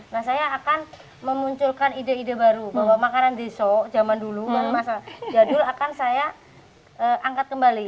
nah saya akan memunculkan ide ide baru bahwa makanan risok zaman dulu jadul akan saya angkat kembali